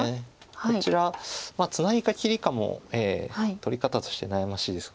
こちらツナギか切りかも取り方として悩ましいですが。